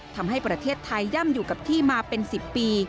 ทำให้ประเทศไทยย่ำอยู่กับที่มาเป็น๑๐ปี